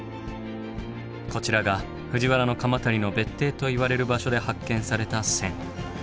こちらが藤原鎌足の別邸といわれる場所で発見された。